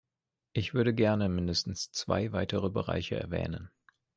Ich würde gerne mindestens zwei weitere Bereiche erwähnen.